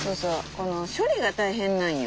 この処理が大変なんよ。